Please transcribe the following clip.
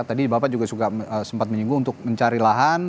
tadi bapak juga sempat menyinggung untuk mencari lahan